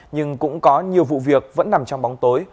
nhưng cũng có nhiều vụ việc vẫn nằm trong bóng tối